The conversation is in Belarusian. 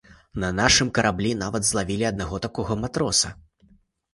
На нашым караблі нават злавілі аднаго такога матроса.